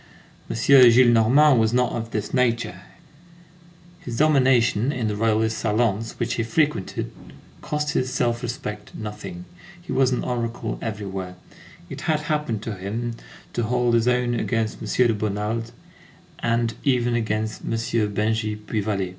M. Gillenormand was not of this nature; his domination in the Royalist salons which he frequented cost his self respect nothing. He was an oracle everywhere. It had happened to him to hold his own against M. de Bonald, and even against M. Bengy Puy Vallée.